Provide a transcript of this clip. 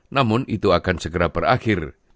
namun itu akan segera berakhir